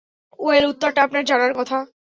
Well, উত্তরটা আপনার জানার কথা।